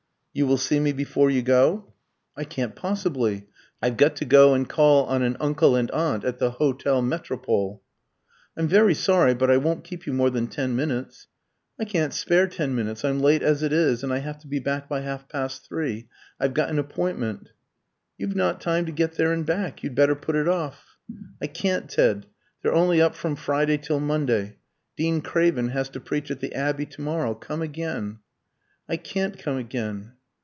"You will see me before you go?" "I can't possibly. I've got to go and call on an uncle and aunt at the Hôtel Metropole." "I'm very sorry. But I won't keep you more than ten minutes." "I can't spare ten minutes. I'm late as it is, and I have to be back by half past three. I've got an appointment." "You've not time to get there and back. You'd better put it off." "I can't, Ted. They're only up from Friday till Monday. Dean Craven has to preach at the Abbey to morrow. Come again." "I can't come again."